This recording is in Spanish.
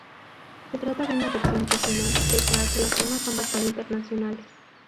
Se trata de una versión "regional" pese a que los temas son bastante internacionales.